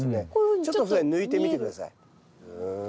ちょっとそれ抜いてみて下さい。